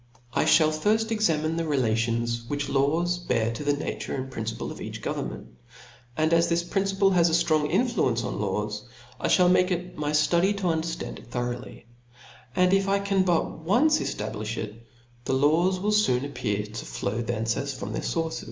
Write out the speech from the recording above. I fliall firft examinC/the relations which kw$ have to the nature and principle of each govern ment •, and as this principle has a ftrong influence on laws, I (hall make it my ftudy to underftand it thoroughly ; and if I can but once eftablifh if, the laws will foon appear to flow from thence as from their fource.